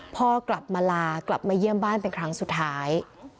พ่อกลับมาลากลับมาเยี่ยมบ้านเป็นครั้งสุดท้าย